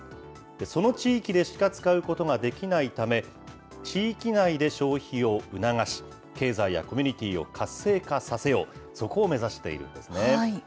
その地域でしか使うことができないため、地域内で消費を促し、経済やコミュニティーを活性化させよう、そこを目指しているんですね。